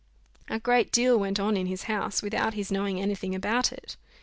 A great deal went on in his house, without his knowing any thing about it.